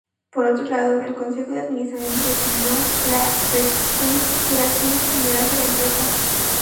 Por otro lado, el Consejo de Administración determinó le reestructuración general de la empresa.